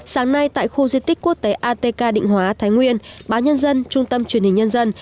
sáng nay tại khu di tích quốc tế atk định hóa thái nguyên báo nhân dân trung tâm truyền hình nhân dân